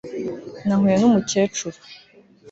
Nahuye numukecuru